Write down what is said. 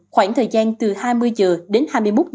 khoảng thời gian từ hai mươi h đến hai mươi một h